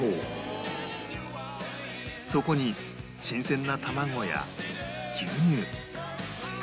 そこに新鮮な卵や牛乳